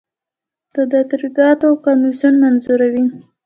د تدارکاتو کمیسیون منظوروي